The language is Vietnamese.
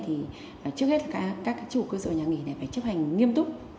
trước hết là các chủ cơ sở nhà nghỉ này phải chấp hành nghiêm túc